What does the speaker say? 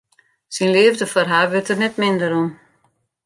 Syn leafde foar har wurdt der net minder om.